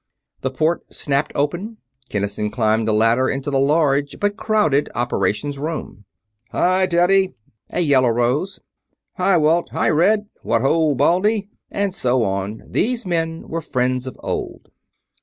The port snapped open. Kinnison climbed a ladder into the large, but crowded, Operations Room. "Hi, Teddy!" a yell arose. "Hi, Walt! Hi ya, Red! What ho, Baldy!" and so on. These men were friends of old.